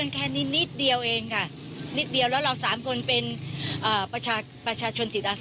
เข้าไป